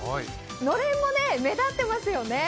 のれんも目立ってますよね。